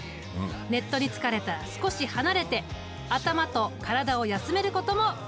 ネットに疲れたら少し離れて頭と体を休めることも大切だ。